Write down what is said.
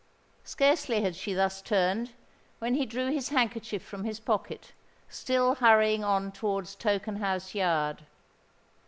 Scarcely had she thus turned, when he drew his handkerchief from his pocket—still hurrying on towards Tokenhouse Yard.